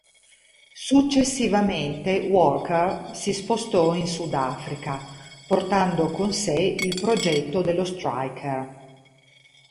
Successivamente Walker si spostò in Sudafrica portando con sé il progetto dello Striker.